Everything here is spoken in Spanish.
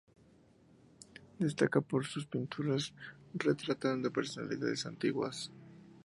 Destaca por sus pinturas retratando personalidades antiguas.